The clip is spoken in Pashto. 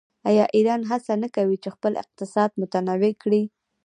آیا ایران هڅه نه کوي چې خپل اقتصاد متنوع کړي؟